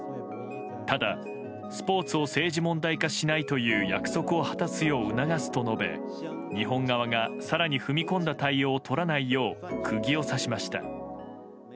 ただ、スポーツを政治問題化しないという約束を果たすよう促すと述べ日本側が更に踏み込んだ対応を取らないよう釘を刺しました。